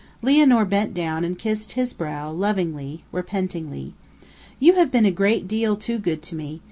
Lianor bent down, and kissed his brow, lovingly repentingly. "You have been a great deal too good to me.